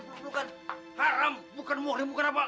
haram bukan muhlim bukan apa